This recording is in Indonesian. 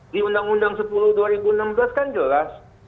di undang undang sepuluh dua ribu enam belas kan jelas